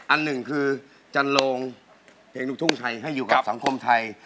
อันหนึ่งคือจันโลงเพลงลูกทุ่งไทยให้อยู่กับสังคมไทย